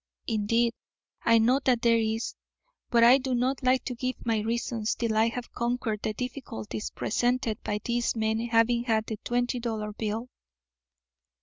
Indeed, I know that there is, but I do not like to give my reasons till I have conquered the difficulties presented by these men having had the twenty dollar bill."